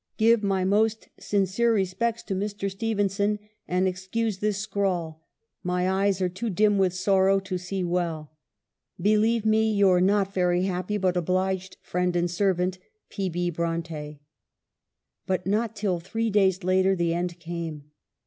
Give my most sincere respects to Mr. Stephen son, and excuse this scrawl ; my eyes are too dim with sorrow to see well. Believe me, your not very happy, but obliged friend and servant, " P. B. Bronte." But not till three days later the end came.